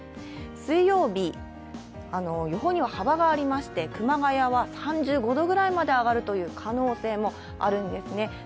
水曜日、予報には幅がありまして、熊谷は３５度くらいまで上がるという可能性もあるんですね。